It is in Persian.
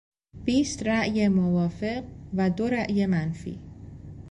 بیست رای موافق و دو رای منفی